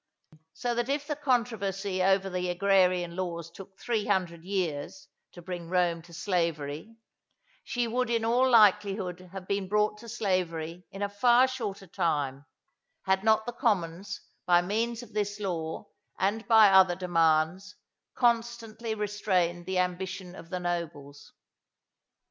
So that if the controversy over the Agrarian Laws took three hundred years to bring Rome to slavery, she would in all likelihood have been brought to slavery in a far shorter time, had not the commons, by means of this law, and by other demands, constantly restrained the ambition of the nobles.